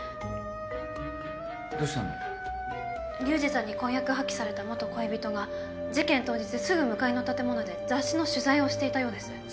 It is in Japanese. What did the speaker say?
リュウジさんに婚約破棄された元恋人が事件当日すぐ向かいの建物で雑誌の取材をしていたようです。